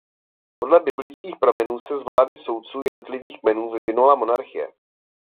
Podle biblických pramenů se z vlády soudců jednotlivých kmenů vyvinula monarchie.